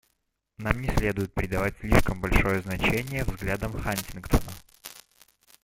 Нам не следует придавать слишком большое значение взглядам Хантингтона.